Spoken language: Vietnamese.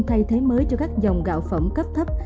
thay thế mới cho các dòng gạo phẩm cấp thấp